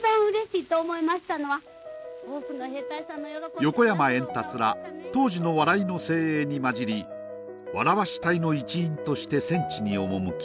横山エンタツら当時の笑いの精鋭に交じりわらわし隊の一員として戦地に赴き